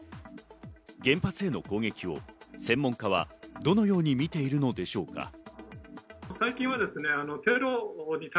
原発への攻撃を専門家はどのように見ているのでしょうか。